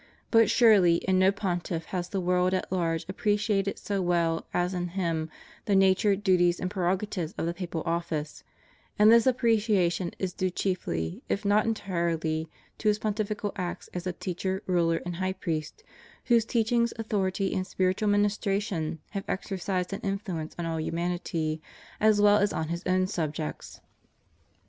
but surely in no Pontiff has the world at large appreciated so well as in him the nature, duties, and prerogatives of the papal office; and this appreciation is due chiefly, if not entirely, to his Pontifical acts as a teacher, ruler, and high priest, whose teachings, authority and spiritual ministration have exercised an influence on all humanity, as well as on his own subjects.